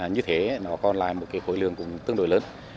như thế nó còn lại một khối lượng cũng tương đối lớn